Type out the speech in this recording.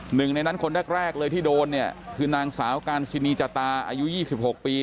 หนึ่งในนั้นคนแรกเลยที่โดนเนี่ยคือนางสาวการซินีจตาอายุ๒๖ปี